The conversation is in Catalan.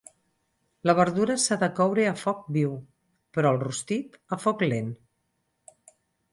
La verdura s'ha de coure a foc viu, però el rostit a foc lent.